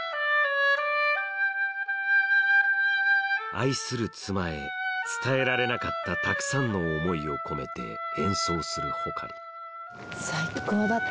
愛する妻へ伝えられなかったたくさんの思いを込めて演奏する穂刈最高だった。